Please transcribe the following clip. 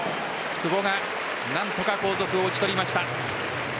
久保が何とか後続を打ち取りました。